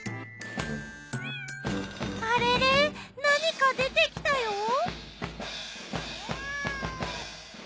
あれれ何か出てきたよ。